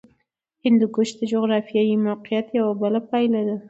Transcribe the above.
هندوکش د جغرافیایي موقیعت یوه پایله ده.